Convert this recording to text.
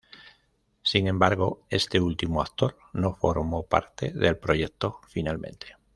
Sin embargo, este último actor no formó parte del proyecto finalmente.